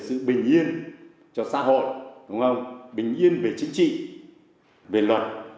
để giữ bình yên cho xã hội bình yên về chính trị về luật